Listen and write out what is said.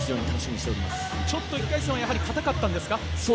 やはり１回戦目は硬かったんですか？